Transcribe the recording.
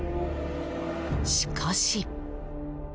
しかし。